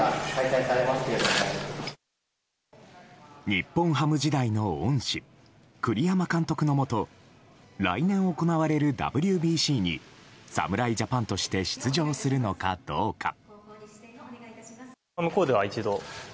日本ハム時代の恩師栗山監督のもと来年行われるＷＢＣに侍ジャパンとして出場するのかどうか。